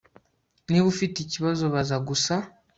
Niba ufite ikibazo baza gusa